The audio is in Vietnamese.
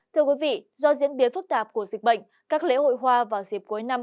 thưa quý vị do diễn biến phức tạp của dịch bệnh các lễ hội hoa vào dịp cuối năm